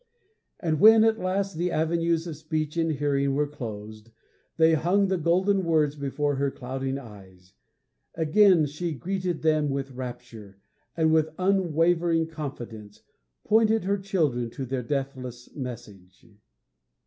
_' And when, at last, the avenues of speech and hearing were closed, they hung the golden words before her clouding eyes. Again she greeted them with rapture, and, with unwavering confidence, pointed her children to their deathless message.